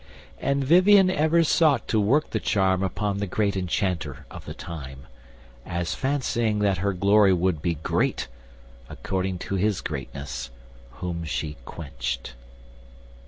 And Vivien ever sought to work the charm Upon the great Enchanter of the Time, As fancying that her glory would be great According to his greatness whom she quenched.